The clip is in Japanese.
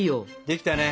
できたね。